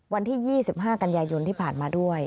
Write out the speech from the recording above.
วันที่๒๕กันยายนที่ผ่านมาด้วย